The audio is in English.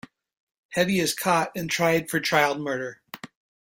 Hetty is caught and tried for child murder.